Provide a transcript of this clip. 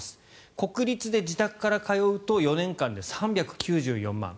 国立で自宅から通うと４年間で３９４万円。